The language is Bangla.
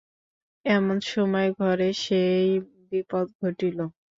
এমন সময় ঘরে সেই বিপদ ঘটিল।